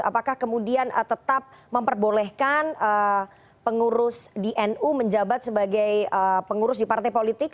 apakah kemudian tetap memperbolehkan pengurus di nu menjabat sebagai pengurus di partai politik